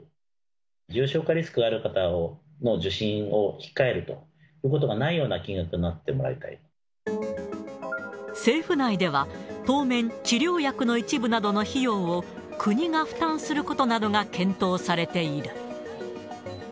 重症化リスクある方の受診を控えるということがないような金額に政府内では、当面、治療薬の一部などの費用を国が負担することなどが検討されている。